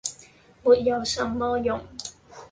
“沒有什麼用。”